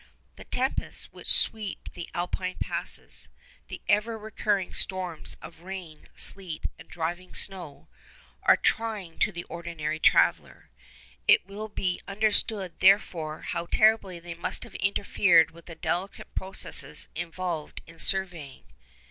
The tempests which sweep the Alpine passes—the ever recurring storms of rain, sleet, and driving snow, are trying to the ordinary traveller. It will be understood, therefore, how terribly they must have interfered with the delicate processes involved in surveying.